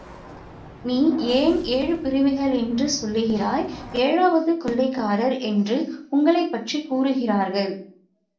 நீ ஏன் ஏழு பிரிவுகள் என்று சொல்கிறாய்? ஏழாவது கொள்கைக்காரர் என்று உங்களைப்பற்றிக் கூறுகிறார்கள்.